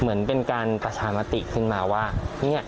เหมือนเป็นการประชามติขึ้นมาว่า